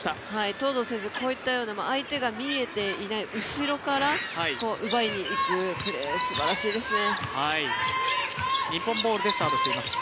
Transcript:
東藤選手、こういう相手が見えていない後ろから奪いにいくプレーすばらしいですね。